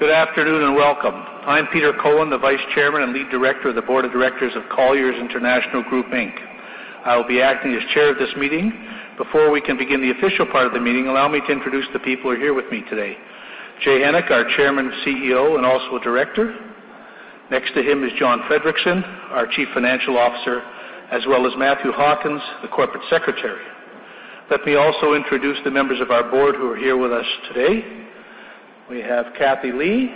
Good afternoon and welcome. I'm Peter Cohen, the Vice Chairman and Lead Director of the board of directors of Colliers International Group Inc. I will be acting as chair of this meeting. Before we can begin the official part of the meeting, allow me to introduce the people who are here with me today. Jay Hennick, our Chairman, CEO, and also a director. Next to him is John Friedrichsen, our Chief Financial Officer, as well as Matthew Hawkins, the Corporate Secretary. Let me also introduce the members of our board who are here with us today. We have Kathy Lee.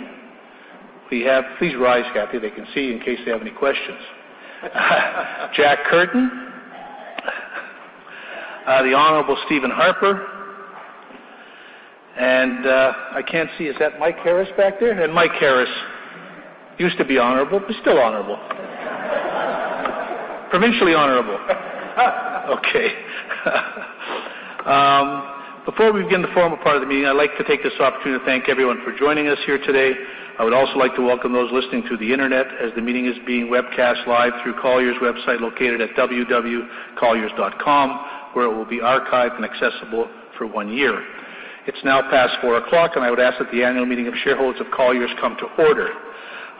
Please rise, Kathy. They can see you in case they have any questions. Jack Curtin. The Honorable Stephen Harper. I can't see. Is that Mike Harris back there? Mike Harris. Used to be honorable, but still honorable. Provincially honorable. Okay. Before we begin the formal part of the meeting, I'd like to take this opportunity to thank everyone for joining us here today. I would also like to welcome those listening through the internet, as the meeting is being webcast live through colliers.com, where it will be archived and accessible for one year. It's now past 4:00, I would ask that the annual meeting of shareholders of Colliers come to order.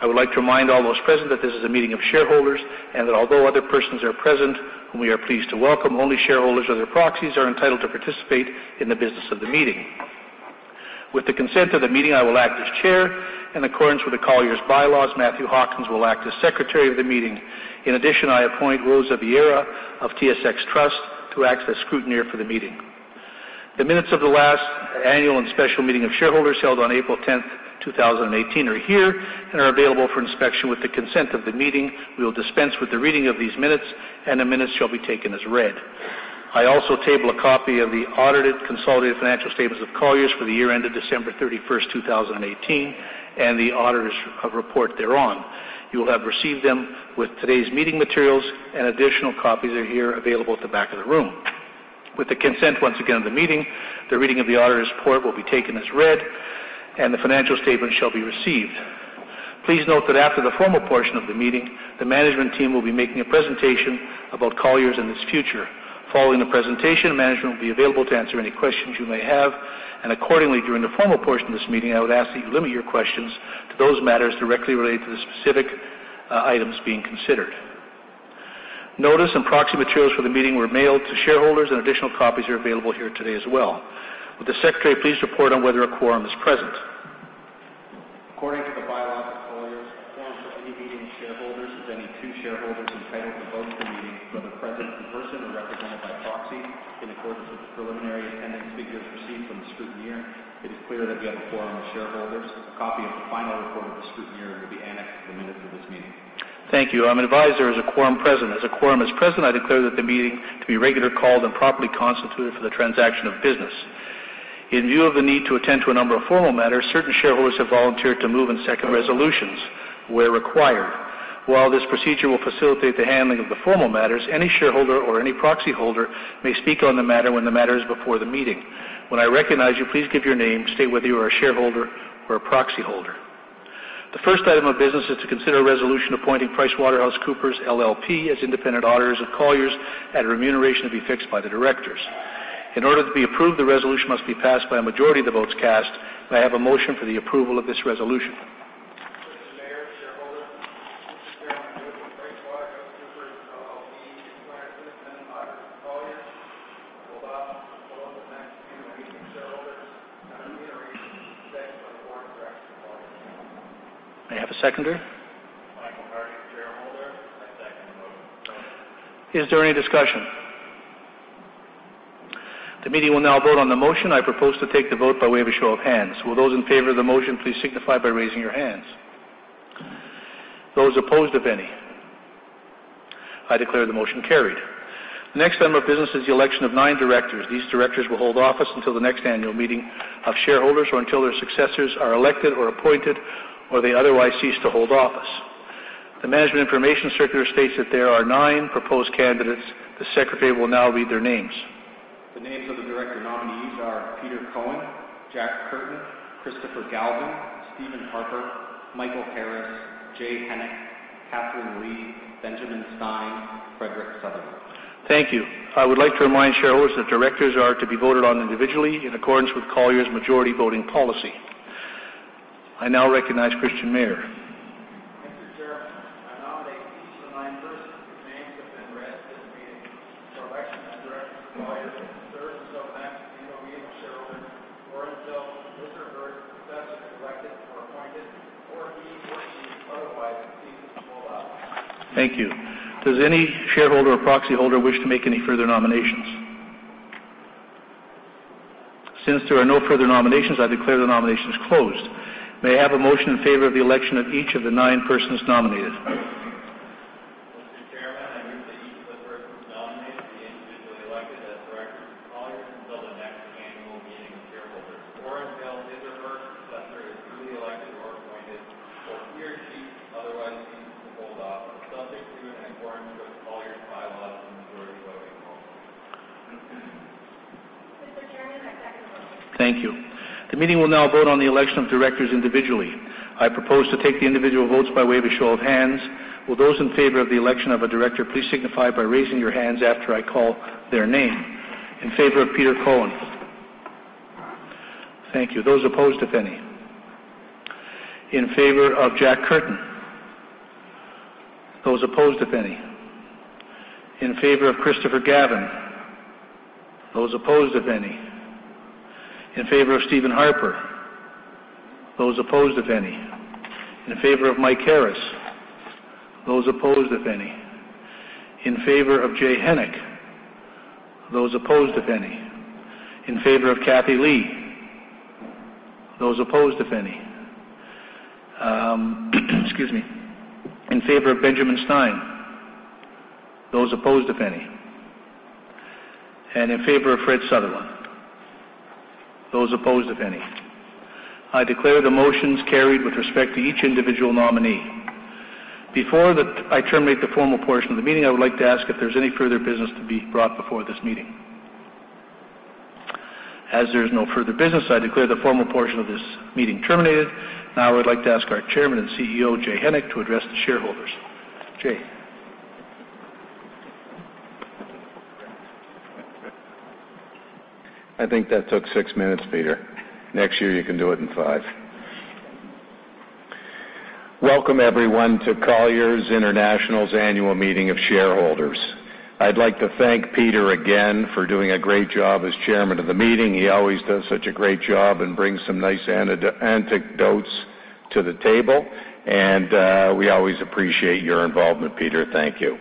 I would like to remind all those present that this is a meeting of shareholders, that although other persons are present, whom we are pleased to welcome, only shareholders or their proxies are entitled to participate in the business of the meeting. With the consent of the meeting, I will act as chair. In accordance with the Colliers bylaws, Matthew Hawkins will act as secretary of the meeting. I appoint Rosa Vieira of TSX Trust to act as scrutineer for the meeting. The minutes of the last annual and special meeting of shareholders, held on April 10th, 2018, are here and are available for inspection. With the consent of the meeting, we will dispense with the reading of these minutes, the minutes shall be taken as read. I also table a copy of the audited consolidated financial statements of Colliers for the year ended December 31st, 2018, and the auditor's report thereon. You will have received them with today's meeting materials, additional copies are here, available at the back of the room. With the consent, once again, of the meeting, the reading of the auditor's report will be taken as read, the financial statement shall be received. Please note that after the formal portion of the meeting, the management team will be making a presentation about Colliers and its future. Following the presentation, management will be available to answer any questions you may have. Accordingly, during the formal portion of this meeting, I would ask that you limit your questions to those matters directly related to the specific items being considered. Notice and proxy materials for the meeting were mailed to shareholders, additional copies are available here today as well. Would the secretary please report on whether a quorum is present? According to the bylaws of Colliers, a quorum for any meeting of shareholders is any two shareholders entitled to vote at the meeting, whether present in person or represented by proxy. In accordance with the preliminary attendance figures received from the scrutineer, it is clear that we have a quorum of shareholders. A copy of the final report of the scrutineer will be annexed to the minutes of this meeting. Thank you. I'm advised there is a quorum present. As a quorum is present, I declare that the meeting to be regularly called and properly constituted for the transaction of business. In view of the need to attend to a number of formal matters, certain shareholders have volunteered to move and second resolutions where required. While this procedure will facilitate the handling of the formal matters, any shareholder or any proxy holder may speak on the matter when the matter is before the meeting. When I recognize you, please give your name, state whether you are a shareholder or a proxy holder. The first item of business is to consider a resolution appointing PricewaterhouseCoopers LLP as independent auditors of Colliers, at a remuneration to be fixed by the directors. In order to be approved, the resolution must be passed by a majority of the votes cast. May I have a motion for the approval of this resolution? Christian Mayer, shareholder. This is chairman move that PricewaterhouseCoopers LLP be appointed independent auditors of Colliers and hold office until the next annual meeting of shareholders at a remuneration to be fixed by the board of directors of Colliers. May I have a seconder? Michael Harris, shareholder. I second the motion. Is there any discussion? The meeting will now vote on the motion. I propose to take the vote by way of a show of hands. Will those in favor of the motion please signify by raising your hands? Those opposed, if any? I declare the motion carried. The next item of business is the election of nine directors. These directors will hold office until the next annual meeting of shareholders, or until their successors are elected or appointed or they otherwise cease to hold office. The management information circular states that there are nine proposed candidates. The secretary will now read their names. The names of the director nominees are Peter Cohen, Jack Curtin, Christopher Galvin, Stephen Harper, Michael Harris, Jay Hennick, Kathryn Lee, Benjamin Stein, Frederick Sutherland. Thank you. I would like to remind shareholders that directors are to be voted on individually in accordance with Colliers' majority voting policy. I now recognize Christian Mayer. Chairman, I move that each of the persons nominated be individually elected as directors of Colliers until the next annual meeting of shareholders or until his or her successor is duly elected or appointed, or he or she otherwise ceases to hold office, subject to and in accordance with Colliers' bylaws and majority voting policy. Mr. Chairman, I second the motion. Thank you. The meeting will now vote on the election of directors individually. I propose to take the individual votes by way of a show of hands. Will those in favor of the election of a director, please signify by raising your hands after I call their name. In favor of Peter Cohen. Thank you. Those opposed, if any? In favor of Jack Curtin. Those opposed, if any? In favor of Christopher Galvin. Those opposed, if any? In favor of Stephen Harper. Those opposed, if any? In favor of Mike Harris. Those opposed, if any? In favor of Jay Hennick. Those opposed, if any? In favor of Kathy Lee. Those opposed, if any? Excuse me. In favor of Benjamin Stein. Those opposed, if any? In favor of Fred Sutherland. Those opposed, if any? I declare the motions carried with respect to each individual nominee. Before I terminate the formal portion of the meeting, I would like to ask if there's any further business to be brought before this meeting. As there is no further business, I declare the formal portion of this meeting terminated. Now I would like to ask our Chairman and CEO, Jay Hennick, to address the shareholders. Jay. I think that took six minutes, Peter. Next year, you can do it in five. Welcome, everyone, to Colliers International's Annual Meeting of Shareholders. I'd like to thank Peter again for doing a great job as chairman of the meeting. He always does such a great job and brings some nice anecdotes to the table, and we always appreciate your involvement, Peter. Thank you.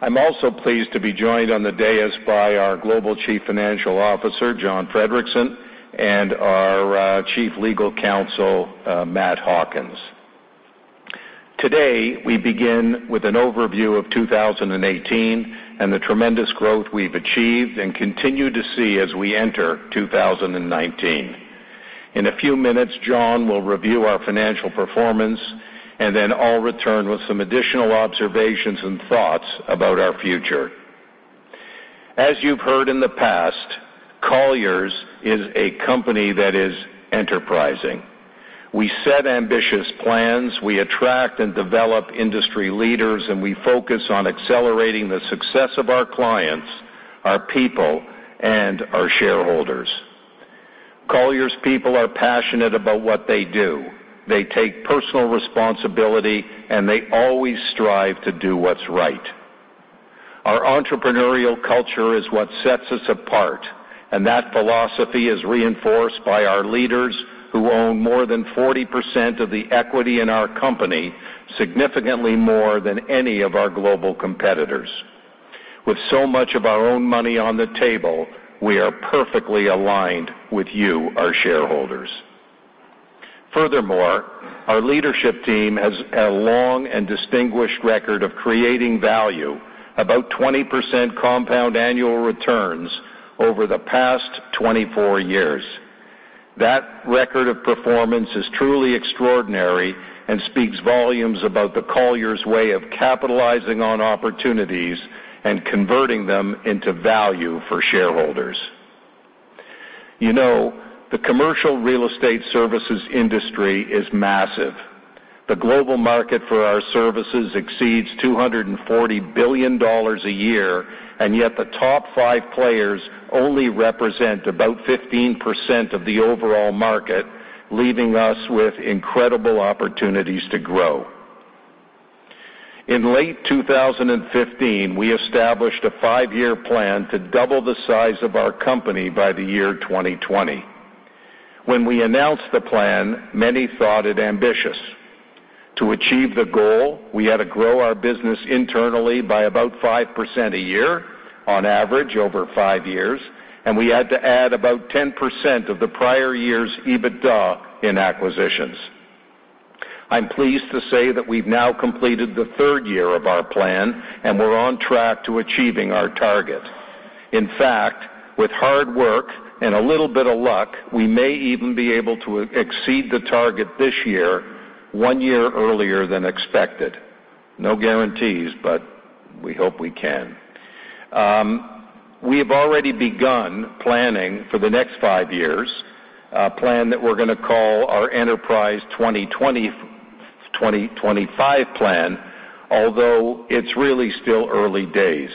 I'm also pleased to be joined on the dais by our Global Chief Financial Officer, John Friedrichsen, and our Chief Legal Counsel, Matt Hawkins. Today, we begin with an overview of 2018 and the tremendous growth we've achieved and continue to see as we enter 2019. Then I'll return with some additional observations and thoughts about our future. As you've heard in the past, Colliers is a company that is enterprising. We set ambitious plans, we attract and develop industry leaders, and we focus on accelerating the success of our clients, our people, and our shareholders. Colliers people are passionate about what they do. They take personal responsibility, and they always strive to do what's right. Our entrepreneurial culture is what sets us apart, and that philosophy is reinforced by our leaders, who own more than 40% of the equity in our company, significantly more than any of our global competitors. With so much of our own money on the table, we are perfectly aligned with you, our shareholders. Furthermore, our leadership team has a long and distinguished record of creating value, about 20% compound annual returns over the past 24 years. That record of performance is truly extraordinary and speaks volumes about the Colliers way of capitalizing on opportunities and converting them into value for shareholders. The commercial real estate services industry is massive. The global market for our services exceeds $240 billion a year, and yet the top five players only represent about 15% of the overall market, leaving us with incredible opportunities to grow. In late 2015, we established a five-year plan to double the size of our company by the year 2020. When we announced the plan, many thought it ambitious. To achieve the goal, we had to grow our business internally by about 5% a year on average over five years, and we had to add about 10% of the prior year's EBITDA in acquisitions. I'm pleased to say that we've now completed the third year of our plan, and we're on track to achieving our target. In fact, with hard work and a little bit of luck, we may even be able to exceed the target this year, one year earlier than expected. No guarantees, but we hope we can. We have already begun planning for the next five years, a plan that we're going to call our Enterprise 2025 Plan, although it's really still early days.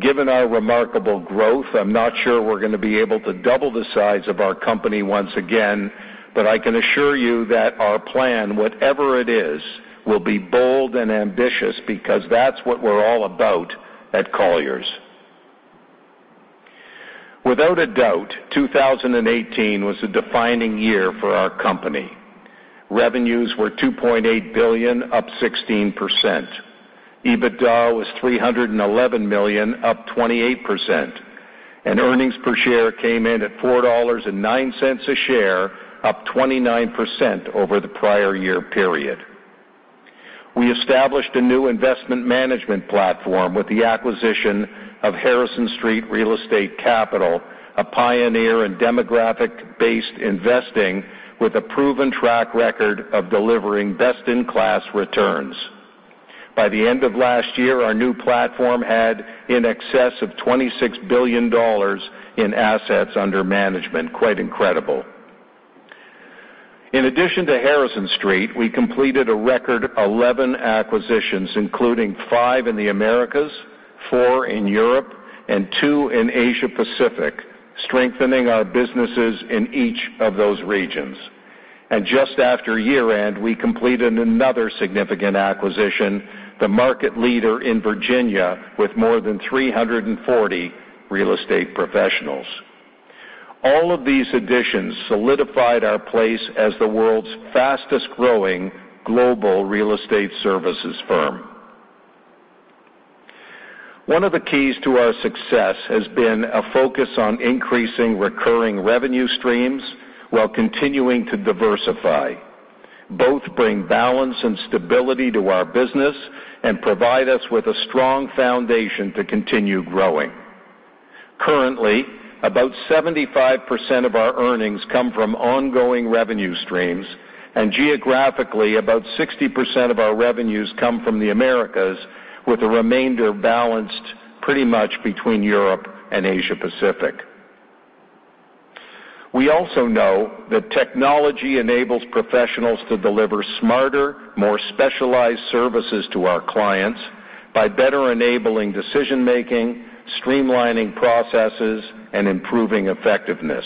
Given our remarkable growth, I'm not sure we're going to be able to double the size of our company once again, but I can assure you that our plan, whatever it is, will be bold and ambitious because that's what we're all about at Colliers. Without a doubt, 2018 was a defining year for our company. Revenues were $2.8 billion, up 16%. EBITDA was $311 million, up 28%, and earnings per share came in at $4.09 a share, up 29% over the prior year period. We established a new investment management platform with the acquisition of Harrison Street Real Estate Capital, a pioneer in demographic-based investing with a proven track record of delivering best-in-class returns. By the end of last year, our new platform had in excess of $26 billion in assets under management. Quite incredible. In addition to Harrison Street, we completed a record 11 acquisitions, including five in the Americas, four in Europe, and two in Asia Pacific, strengthening our businesses in each of those regions. And just after year-end, we completed another significant acquisition, the market leader in Virginia, with more than 340 real estate professionals. All of these additions solidified our place as the world's fastest-growing global real estate services firm. One of the keys to our success has been a focus on increasing recurring revenue streams while continuing to diversify. Both bring balance and stability to our business and provide us with a strong foundation to continue growing. Currently, about 75% of our earnings come from ongoing revenue streams, and geographically, about 60% of our revenues come from the Americas, with the remainder balanced pretty much between Europe and Asia Pacific. We also know that technology enables professionals to deliver smarter, more specialized services to our clients by better enabling decision-making, streamlining processes, and improving effectiveness.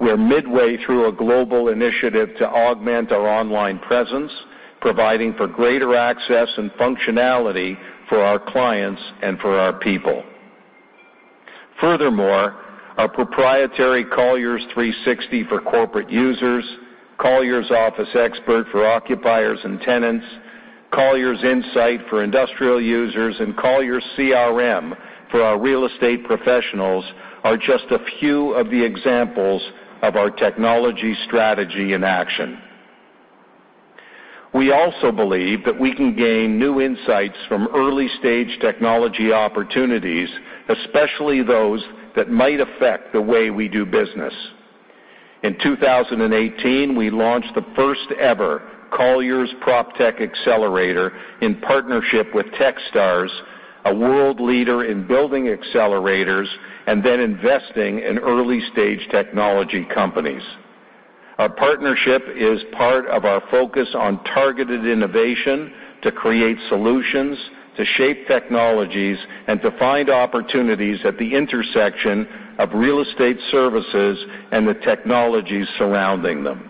We're midway through a global initiative to augment our online presence, providing for greater access and functionality for our clients and for our people. Furthermore, our proprietary Colliers360 for corporate users, Colliers Workplace Expert for occupiers and tenants, Colliers Insight for industrial users, and Colliers CRM for our real estate professionals are just a few of the examples of our technology strategy in action. We also believe that we can gain new insights from early-stage technology opportunities, especially those that might affect the way we do business. In 2018, we launched the first-ever Colliers Proptech Accelerator in partnership with Techstars, a world leader in building accelerators and then investing in early-stage technology companies. Our partnership is part of our focus on targeted innovation to create solutions, to shape technologies, and to find opportunities at the intersection of real estate services and the technologies surrounding them.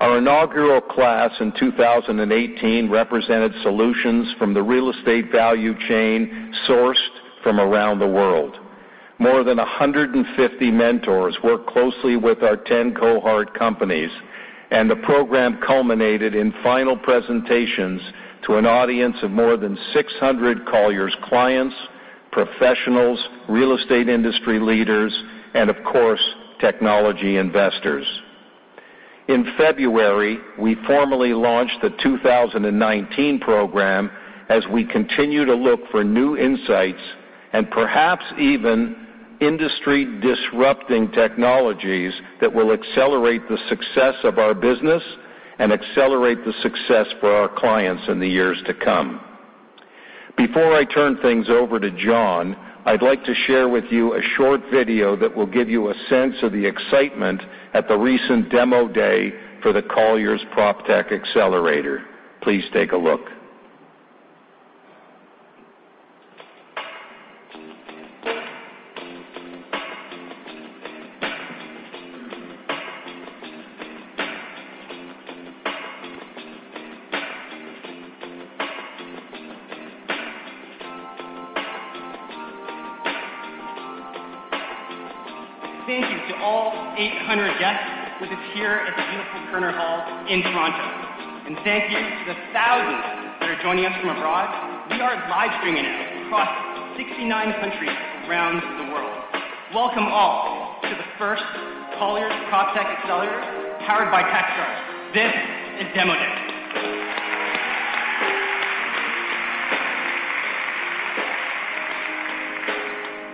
Our inaugural class in 2018 represented solutions from the real estate value chain sourced from around the world. More than 150 mentors worked closely with our 10 cohort companies, and the program culminated in final presentations to an audience of more than 600 Colliers clients, professionals, real estate industry leaders, and of course, technology investors. In February, we formally launched the 2019 program as we continue to look for new insights and perhaps even industry-disrupting technologies that will accelerate the success of our business and accelerate the success for our clients in the years to come. Before I turn things over to John, I'd like to share with you a short video that will give you a sense of the excitement at the recent demo day for the Colliers Proptech Accelerator. Please take a look. Thank you to all 800 guests with us here at the beautiful Koerner Hall in Toronto, and thank you to the thousands that are joining us from abroad. We are live streaming it across 69 countries around the world. Welcome, all, to the first Colliers Proptech Accelerator, powered by Techstars. This is Demo Day.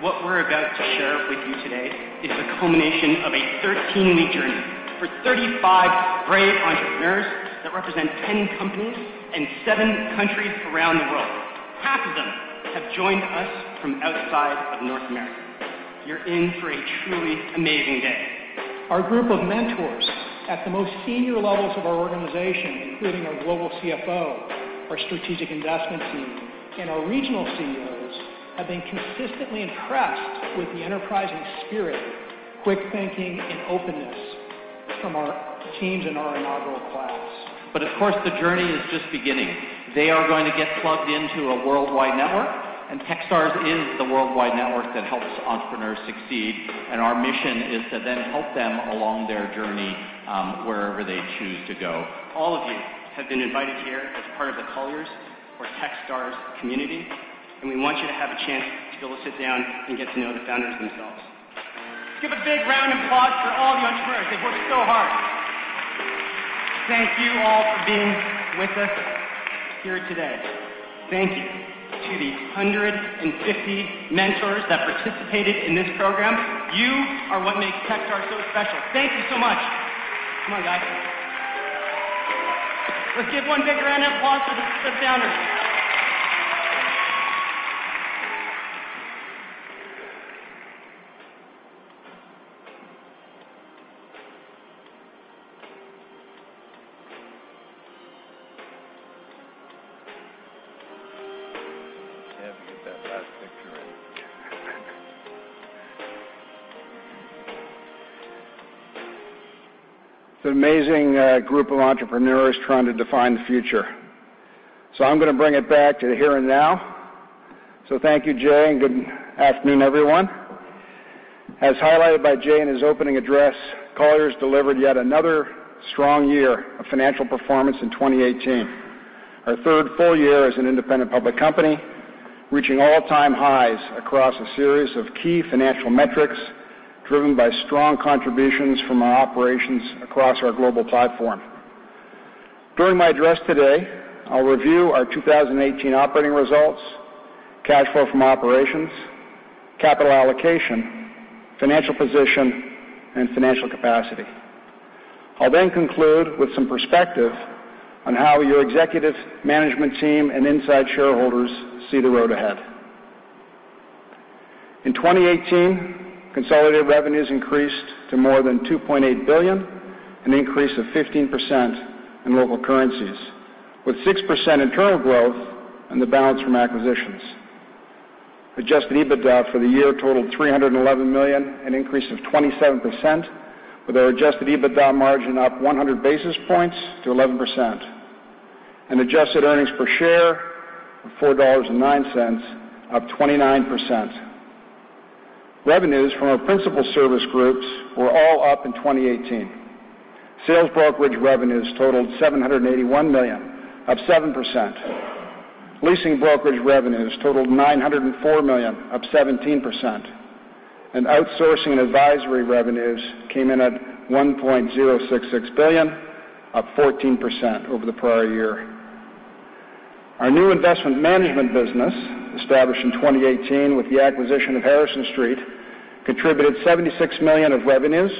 What we're about to share with you today is the culmination of a 13-week journey for 35 brave entrepreneurs that represent 10 companies and seven countries around the world. Half of them have joined us from outside of North America. You're in for a truly amazing day. Our group of mentors at the most senior levels of our organization, including our global CFO, our strategic investment team, and our regional CEOs, have been consistently impressed with the enterprising spirit, quick thinking, and openness from our teams in our inaugural class. Of course, the journey is just beginning. They are going to get plugged into a worldwide network. Techstars is the worldwide network that helps entrepreneurs succeed. Our mission is to then help them along their journey, wherever they choose to go. All of you have been invited here as part of the Colliers or Techstars community. We want you to have a chance to be able to sit down and get to know the founders themselves. Let's give a big round of applause for all the entrepreneurs. They've worked so hard. Thank you all for being with us here today. Thank you to the 150 mentors that participated in this program. You are what makes Techstars so special. Thank you so much. Come on, guys. Let's give one big round of applause for the founders. Let's have you get that last picture in. It's an amazing group of entrepreneurs trying to define the future. I'm going to bring it back to the here and now. Thank you, Jay, and good afternoon, everyone. As highlighted by Jay in his opening address, Colliers delivered yet another strong year of financial performance in 2018, our third full year as an independent public company, reaching all-time highs across a series of key financial metrics driven by strong contributions from our operations across our global platform. During my address today, I'll review our 2018 operating results, cash flow from operations, capital allocation, financial position, and financial capacity. I'll conclude with some perspective on how your executive management team and inside shareholders see the road ahead. In 2018, consolidated revenues increased to more than $2.8 billion, an increase of 15% in local currencies, with 6% internal growth and the balance from acquisitions. Adjusted EBITDA for the year totaled $311 million, an increase of 27%, with our adjusted EBITDA margin up 100 basis points to 11%, and adjusted earnings per share of $4.09, up 29%. Revenues from our principal service groups were all up in 2018. Sales brokerage revenues totaled $781 million, up 7%. Leasing brokerage revenues totaled $904 million, up 17%. Outsourcing and advisory revenues came in at $1.066 billion, up 14% over the prior year. Our new investment management business, established in 2018 with the acquisition of Harrison Street, contributed $76 million of revenues,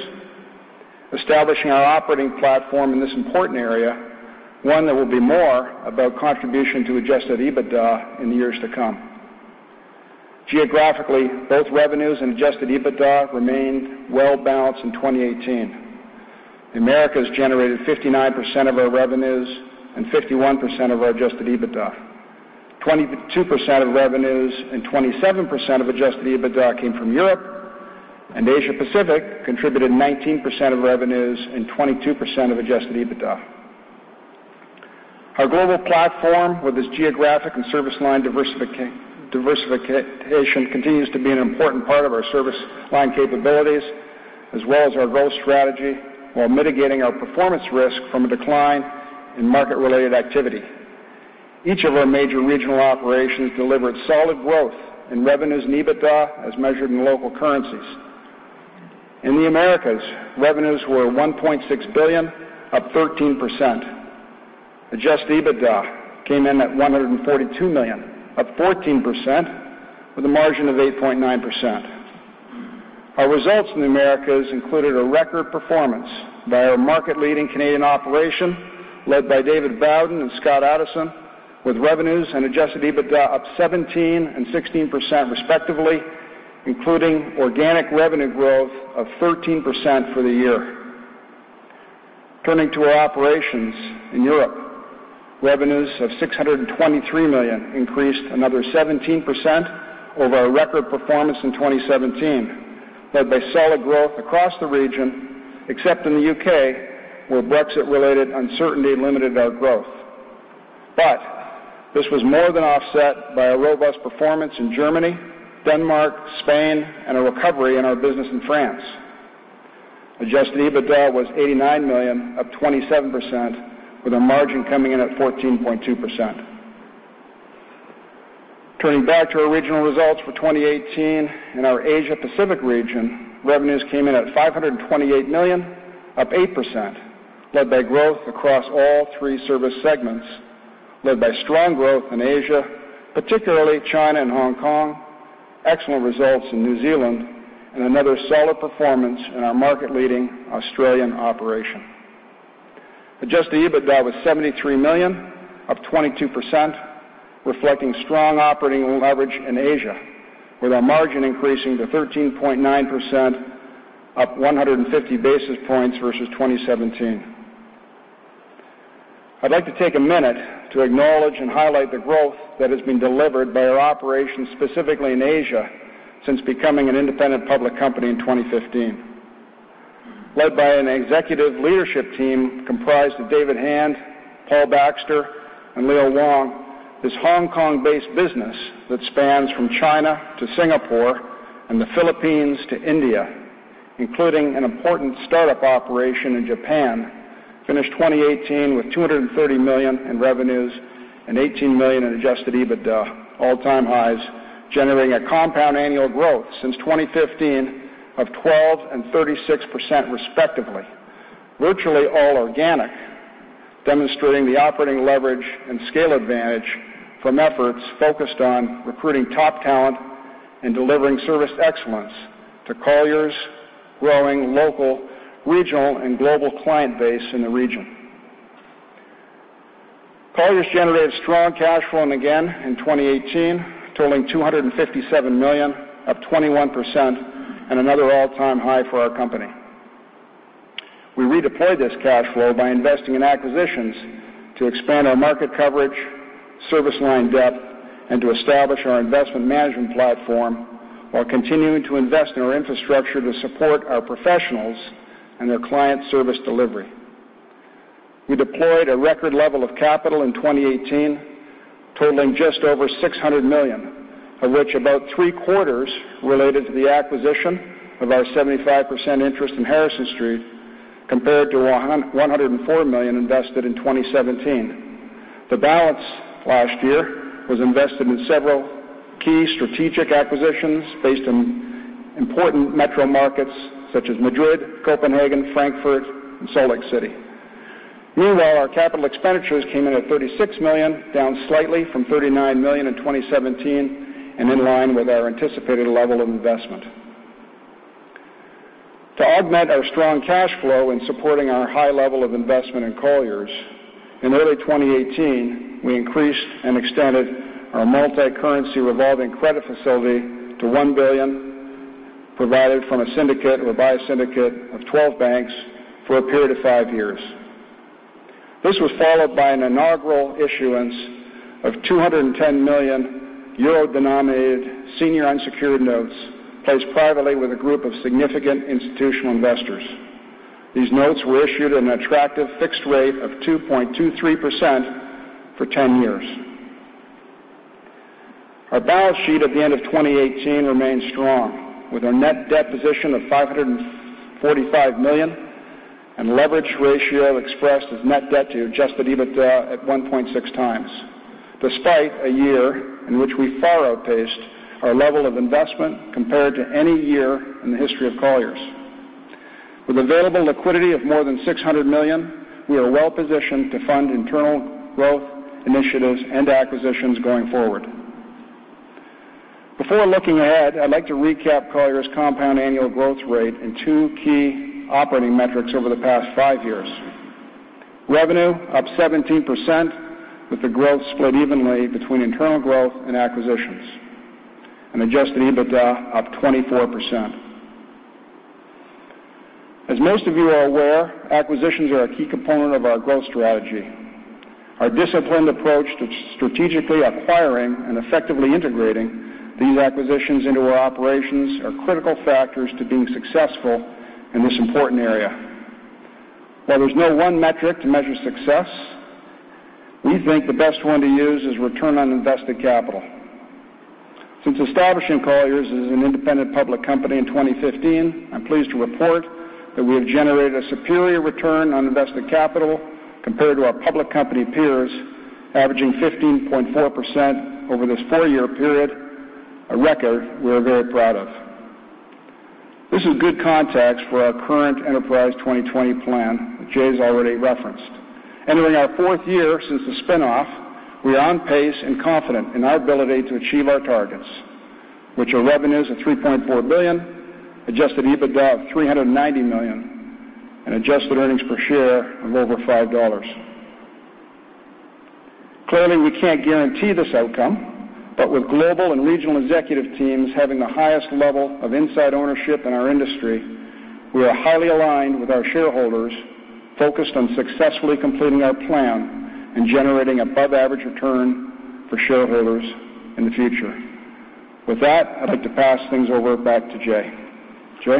establishing our operating platform in this important area, one that will be more about contribution to adjusted EBITDA in the years to come. Geographically, both revenues and adjusted EBITDA remained well-balanced in 2018. The Americas generated 59% of our revenues and 51% of our adjusted EBITDA. 22% of revenues and 27% of adjusted EBITDA came from Europe, and Asia Pacific contributed 19% of revenues and 22% of adjusted EBITDA. Our global platform with its geographic and service line diversification continues to be an important part of our service line capabilities as well as our growth strategy while mitigating our performance risk from a decline in market-related activity. Each of our major regional operations delivered solid growth in revenues and EBITDA as measured in local currencies. In the Americas, revenues were $1.6 billion, up 13%. Adjusted EBITDA came in at $142 million, up 14%, with a margin of 8.9%. Our results in the Americas included a record performance by our market-leading Canadian operation led by David Bowden and Scott Addison, with revenues and adjusted EBITDA up 17% and 16% respectively, including organic revenue growth of 13% for the year. Turning to our operations in Europe, revenues of $623 million increased another 17% over our record performance in 2017, led by solid growth across the region, except in the U.K., where Brexit-related uncertainty limited our growth. This was more than offset by our robust performance in Germany, Denmark, Spain, and a recovery in our business in France. Adjusted EBITDA was $89 million, up 27%, with a margin coming in at 14.2%. Turning back to our regional results for 2018, in our Asia Pacific region, revenues came in at $528 million, up 8%, led by growth across all three service segments, led by strong growth in Asia, particularly China and Hong Kong, excellent results in New Zealand, and another solid performance in our market-leading Australian operation. Adjusted EBITDA was $73 million, up 22%, reflecting strong operating leverage in Asia, with our margin increasing to 13.9%, up 150 basis points versus 2017. I'd like to take a minute to acknowledge and highlight the growth that has been delivered by our operations specifically in Asia since becoming an independent public company in 2015. Led by an executive leadership team comprised of David Hand, Paul Baxter, and Leo Wong, this Hong Kong-based business that spans from China to Singapore and the Philippines to India, including an important startup operation in Japan, finished 2018 with $230 million in revenues and $18 million in adjusted EBITDA, all-time highs, generating a compound annual growth since 2015 of 12% and 36% respectively, virtually all organic, demonstrating the operating leverage and scale advantage from efforts focused on recruiting top talent and delivering service excellence to Colliers' growing local, regional, and global client base in the region. Colliers generated strong cash flow again in 2018, totaling $257 million, up 21%, and another all-time high for our company. We redeployed this cash flow by investing in acquisitions to expand our market coverage, service line depth, and to establish our investment management platform, while continuing to invest in our infrastructure to support our professionals and their client service delivery. We deployed a record level of capital in 2018, totaling just over $600 million, of which about three-quarters related to the acquisition of our 75% interest in Harrison Street, compared to $104 million invested in 2017. The balance last year was invested in several key strategic acquisitions based in important metro markets such as Madrid, Copenhagen, Frankfurt, and Salt Lake City. Meanwhile, our capital expenditures came in at 36 million, down slightly from 39 million in 2017, and in line with our anticipated level of investment. To augment our strong cash flow in supporting our high level of investment in Colliers, in early 2018, we increased and extended our multicurrency revolving credit facility to $1 billion, provided by a syndicate of 12 banks for a period of five years. This was followed by an inaugural issuance of 210 million euro-denominated senior unsecured notes, placed privately with a group of significant institutional investors. These notes were issued at an attractive fixed rate of 2.23% for 10 years. Our balance sheet at the end of 2018 remains strong, with a net debt position of $545 million and leverage ratio expressed as net debt to adjusted EBITDA at 1.6 times, despite a year in which we far outpaced our level of investment compared to any year in the history of Colliers. With available liquidity of more than 600 million, we are well-positioned to fund internal growth initiatives and acquisitions going forward. Before looking ahead, I'd like to recap Colliers' compound annual growth rate in two key operating metrics over the past five years. Revenue up 17%, with the growth split evenly between internal growth and acquisitions, and adjusted EBITDA up 24%. As most of you are aware, acquisitions are a key component of our growth strategy. Our disciplined approach to strategically acquiring and effectively integrating these acquisitions into our operations are critical factors to being successful in this important area. While there's no one metric to measure success, we think the best one to use is return on invested capital. Since establishing Colliers as an independent public company in 2015, I'm pleased to report that we have generated a superior return on invested capital compared to our public company peers, averaging 15.4% over this four-year period, a record we're very proud of. This is good context for our current Enterprise 2020 Plan that Jay's already referenced. Entering our fourth year since the spinoff, we are on pace and confident in our ability to achieve our targets, which are revenues of $3.4 billion, adjusted EBITDA of $390 million, and adjusted earnings per share of over $5. Clearly, we can't guarantee this outcome, but with global and regional executive teams having the highest level of inside ownership in our industry, we are highly aligned with our shareholders, focused on successfully completing our Plan and generating above-average return for shareholders in the future. With that, I'd like to pass things over back to Jay. Jay?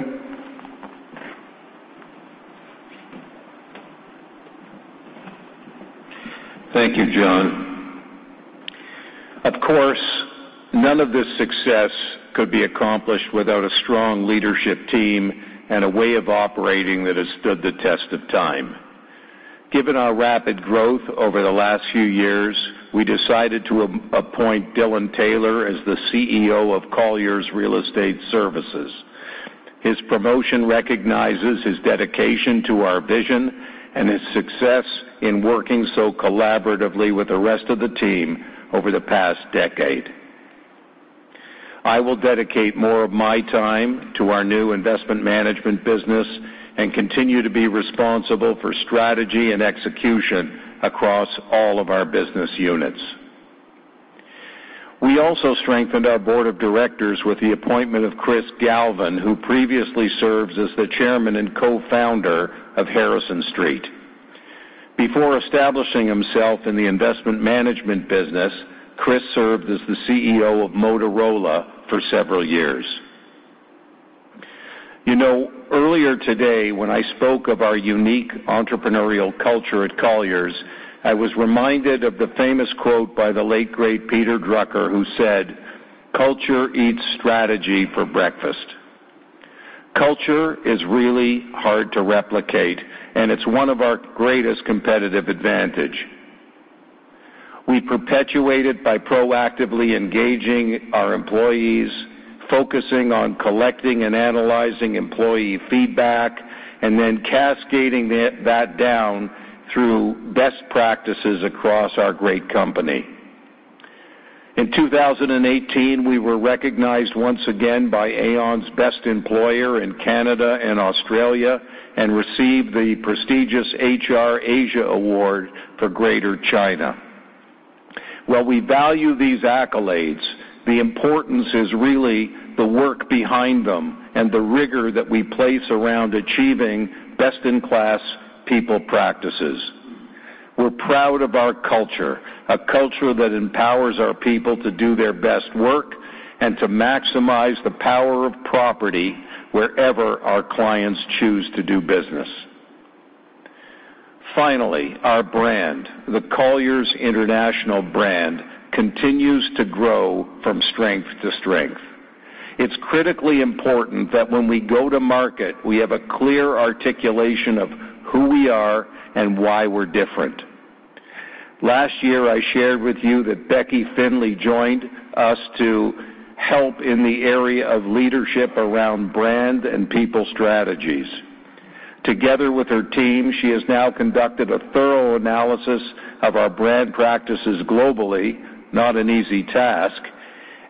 Thank you, John. Of course, none of this success could be accomplished without a strong leadership team and a way of operating that has stood the test of time. Given our rapid growth over the last few years, we decided to appoint Dylan Taylor as the CEO of Colliers Real Estate Services. His promotion recognizes his dedication to our vision and his success in working so collaboratively with the rest of the team over the past decade. I will dedicate more of my time to our new investment management business and continue to be responsible for strategy and execution across all of our business units. We also strengthened our board of directors with the appointment of Chris Galvin, who previously served as the chairman and co-founder of Harrison Street. Before establishing himself in the investment management business, Chris served as the CEO of Motorola for several years. Earlier today, when I spoke of our unique entrepreneurial culture at Colliers, I was reminded of the famous quote by the late great Peter Drucker, who said, "Culture eats strategy for breakfast." Culture is really hard to replicate, and it's one of our greatest competitive advantage. We perpetuate it by proactively engaging our employees, focusing on collecting and analyzing employee feedback, and then cascading that down through best practices across our great company. In 2018, we were recognized once again by Aon's Best Employers in Canada and Australia, and received the prestigious HR Asia award for Greater China. While we value these accolades, the importance is really the work behind them and the rigor that we place around achieving best-in-class people practices. We're proud of our culture, a culture that empowers our people to do their best work and to maximize the power of property wherever our clients choose to do business. Finally, our brand, the Colliers International brand, continues to grow from strength to strength. It's critically important that when we go to market, we have a clear articulation of who we are and why we're different. Last year, I shared with you that Rebecca Finley joined us to help in the area of leadership around brand and people strategies. Together with her team, she has now conducted a thorough analysis of our brand practices globally, not an easy task,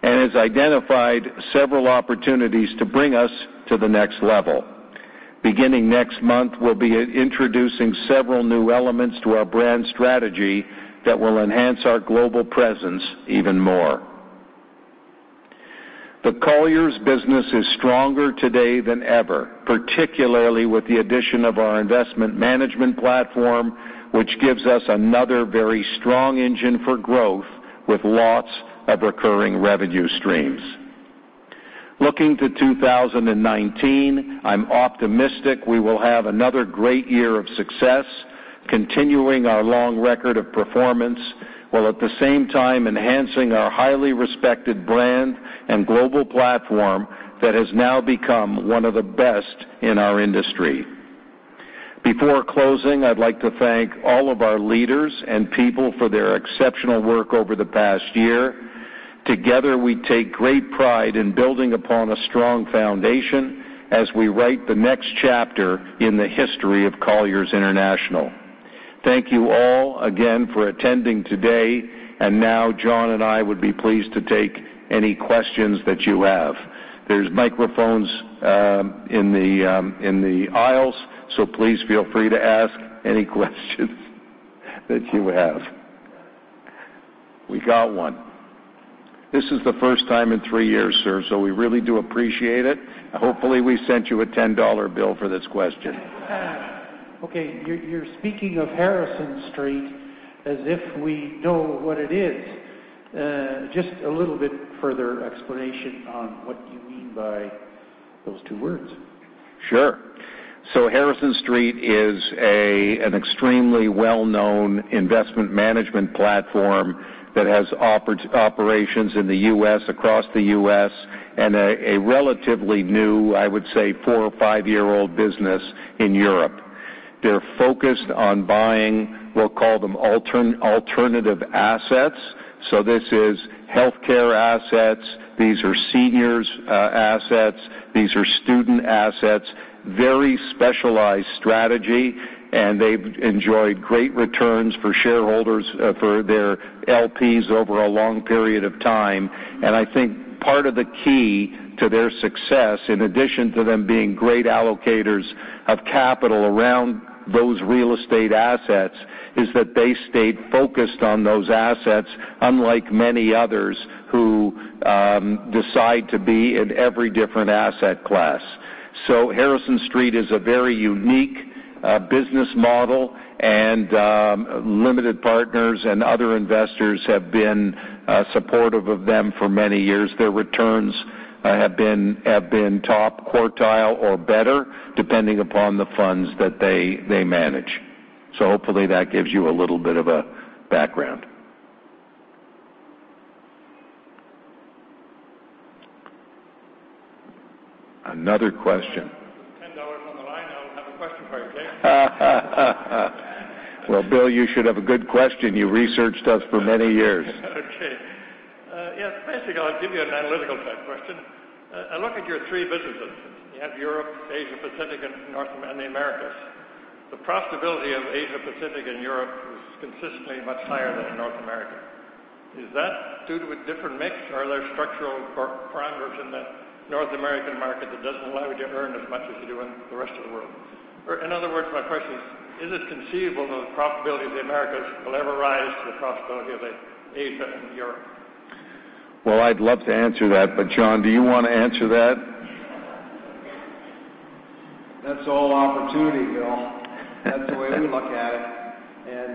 and has identified several opportunities to bring us to the next level. Beginning next month, we'll be introducing several new elements to our brand strategy that will enhance our global presence even more. The Colliers business is stronger today than ever, particularly with the addition of our investment management platform, which gives us another very strong engine for growth with lots of recurring revenue streams. Looking to 2019, I'm optimistic we will have another great year of success, continuing our long record of performance, while at the same time enhancing our highly respected brand and global platform that has now become one of the best in our industry. Before closing, I'd like to thank all of our leaders and people for their exceptional work over the past year. Together, we take great pride in building upon a strong foundation as we write the next chapter in the history of Colliers International. Thank you all again for attending today, and now John and I would be pleased to take any questions that you have. There's microphones in the aisles, so please feel free to ask any questions that you have. We got one. This is the first time in three years, sir, so we really do appreciate it. Hopefully, we sent you a EUR 10 bill for this question. Okay, you're speaking of Harrison Street as if we know what it is. Just a little bit further explanation on what you mean by those two words. Sure. Harrison Street is an extremely well-known investment management platform that has operations in the U.S., across the U.S., and a relatively new, I would say four or five-year-old business in Europe. They're focused on buying, we'll call them alternative assets. This is healthcare assets. These are seniors assets. These are student assets. Very specialized strategy, and they've enjoyed great returns for shareholders for their LPs over a long period of time. I think part of the key to their success, in addition to them being great allocators of capital around those real estate assets, is that they stayed focused on those assets, unlike many others who decide to be in every different asset class. Harrison Street is a very unique business model, and limited partners and other investors have been supportive of them for many years. Their returns have been top quartile or better depending upon the funds that they manage. Hopefully that gives you a little bit of a background. Another question. 10 on the line. I have a question for you, Jay. Well, Bill, you should have a good question. You researched us for many years. I'll give you an analytical type question. I look at your three businesses. You have Europe, Asia Pacific, and the Americas. The profitability of Asia Pacific and Europe is consistently much higher than in North America. Is that due to a different mix, or are there structural parameters in the North American market that doesn't allow you to earn as much as you do in the rest of the world? In other words, my question is it conceivable the profitability of the Americas will ever rise to the profitability of Asia and Europe? I'd love to answer that, John, do you want to answer that? That's all opportunity, Bill. That's the way we look at it.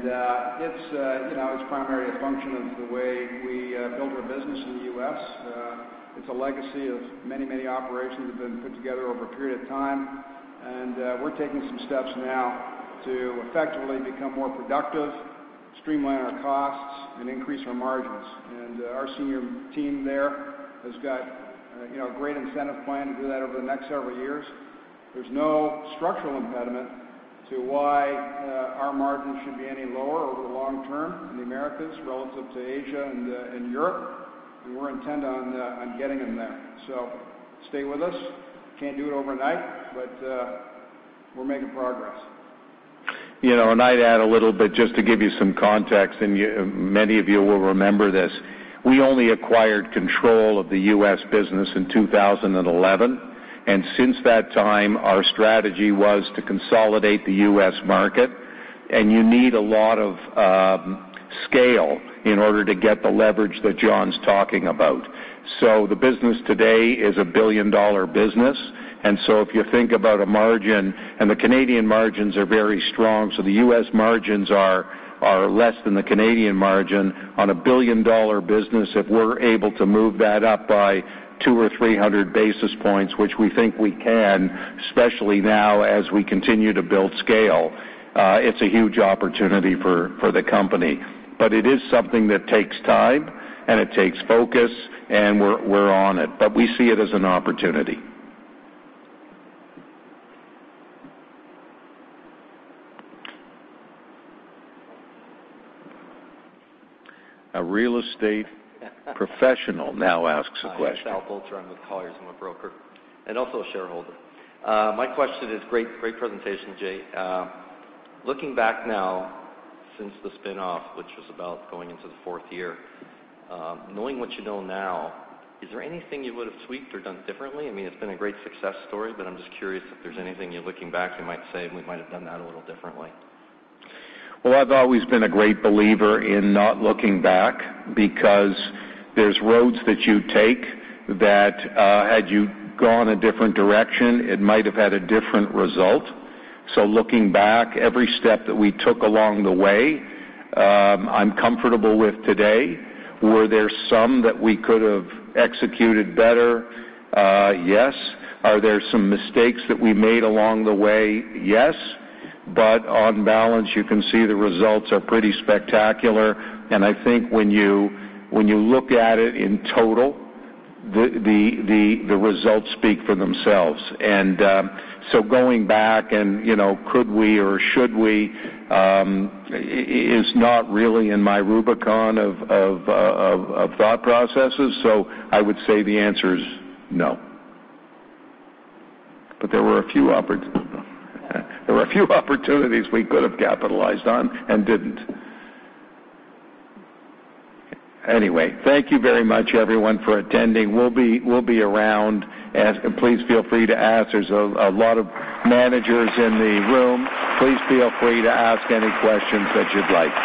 It's primarily a function of the way we built our business in the U.S. It's a legacy of many, many operations that have been put together over a period of time. We're taking some steps now to effectively become more productive, streamline our costs, and increase our margins. Our senior team there has got a great incentive plan to do that over the next several years. There's no structural impediment to why our margins should be any lower over the long term in the Americas relative to Asia and Europe. We're intent on getting them there. Stay with us. Can't do it overnight, we're making progress. I'd add a little bit just to give you some context, many of you will remember this. We only acquired control of the U.S. business in 2011, since that time, our strategy was to consolidate the U.S. market. You need a lot of scale in order to get the leverage that John's talking about. The business today is a billion-dollar business. If you think about a margin, the Canadian margins are very strong, the U.S. margins are less than the Canadian margin on a billion-dollar business. If we're able to move that up by 200 or 300 basis points, which we think we can, especially now as we continue to build scale, it's a huge opportunity for the company. It is something that takes time, it takes focus, we're on it. We see it as an opportunity. A real estate professional now asks a question. Hi, Sal Bolger. I'm with Colliers. I'm a broker and also a shareholder. Great presentation, Jay. Looking back now since the spinoff, which was about going into the fourth year, knowing what you know now, is there anything you would've tweaked or done differently? It's been a great success story, I'm just curious if there's anything, you're looking back, you might say, "We might have done that a little differently. Well, I've always been a great believer in not looking back because there's roads that you take that had you gone a different direction, it might have had a different result. Looking back, every step that we took along the way, I'm comfortable with today. Were there some that we could have executed better? Yes. Are there some mistakes that we made along the way? Yes. On balance, you can see the results are pretty spectacular, and I think when you look at it in total, the results speak for themselves. Going back and could we, or should we, is not really in my Rubicon of thought processes. I would say the answer is no. There were a few opportunities we could have capitalized on and didn't. Anyway. Thank you very much, everyone, for attending. We'll be around. Please feel free to ask. There's a lot of managers in the room. Please feel free to ask any questions that you'd like.